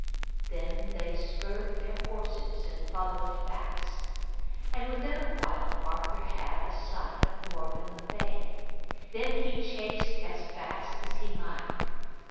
Then they spurred their horses, and followed fast, and within a while Arthur had a sight of Morgan le Fay; then he chased as fast as he might.